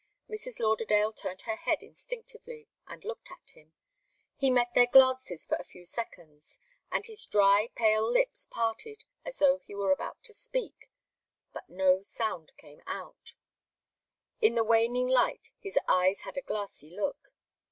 Mrs. Lauderdale turned her head instinctively, and looked at him. He met their glances for a few seconds, and his dry, pale lips parted as though he were about to speak, but no sound came. In the waning light his eyes had a glassy look.